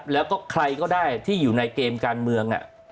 แล้วก็ใครก็ได้ที่อยู่ในเกมการเมือง